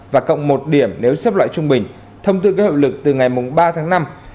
và cộng một điểm nếu xếp loại trung bình thông tư có hiệu lực từ ngày ba tháng năm